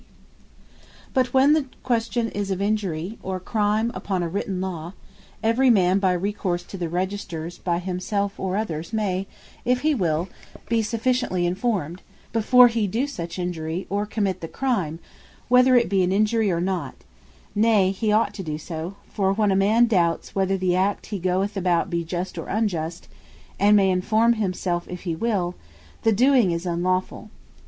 By The Publique Registers But when the question is of injury, or crime, upon a written Law; every man by recourse to the Registers, by himself, or others, may (if he will) be sufficiently enformed, before he doe such injury, or commit the crime, whither it be an injury, or not: Nay he ought to doe so: for when a man doubts whether the act he goeth about, be just, or injust; and may informe himself, if he will; the doing is unlawfull.